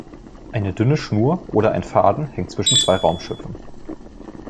Eine dünne Schnur oder ein Faden hängt zwischen zwei Raumschiffen.